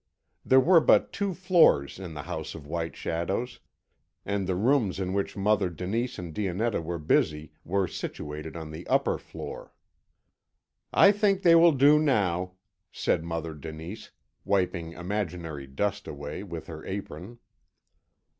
There were but two floors in the House of White Shadows, and the rooms in which Mother Denise and Dionetta were busy were situated on the upper floor. "I think they will do now," said Mother Denise, wiping imaginary dust away with her apron.